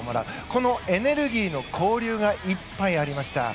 このエネルギーの交流がいっぱいありました。